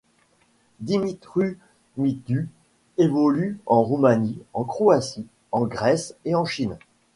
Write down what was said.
Dumitru Mitu évolue en Roumanie, en Croatie, en Grèce et en Chine.